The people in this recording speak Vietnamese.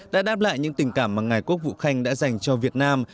đã đáp lại những tình cảm mà ngài quốc vụ khanh đã dành cho việt nam